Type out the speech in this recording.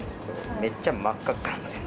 めっちゃ真っ赤っかなので。